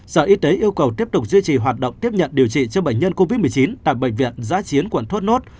sở y tế yêu cầu tiếp tục duy trì hoạt động tiếp nhận điều trị cho bệnh nhân covid một mươi chín tại bệnh viện giã chiến quận thốt nốt